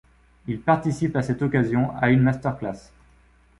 Il participe à cette occasion à une masterclass.